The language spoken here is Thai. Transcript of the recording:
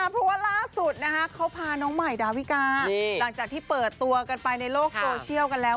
เพราะว่าล่าสุดเขาพาน้องใหม่ดาวิกาหลังจากที่เปิดตัวกันไปในโลกโซเชียลกันแล้ว